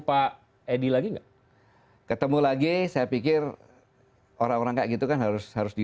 pak edi lagi enggak ketemu lagi saya pikir orang orang kayak gitu kan kemudian saya dizon guide